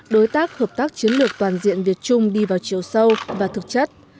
đối tác hợp tác chiến lược toàn diện việt trung đi vào chiều sâu và thực chất